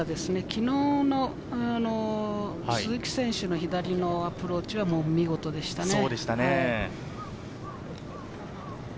昨日の鈴木選手の左のアプローチは見事でしたね。